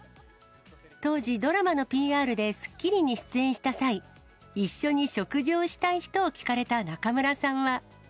当時、ドラマのＰＲでスッキリに出演した際、一緒に食事をしたい人を聞かれた中村さんは。